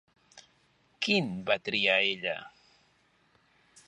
Quin va triar ella?